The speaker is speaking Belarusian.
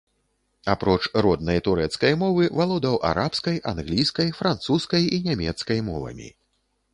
Апроч роднай турэцкай мовы, валодаў арабскай, англійскай, французскай і нямецкай мовамі.